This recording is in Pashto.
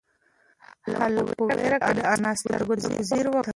هلک په وېره کې د انا سترگو ته په ځير وکتل.